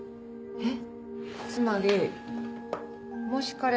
えっ？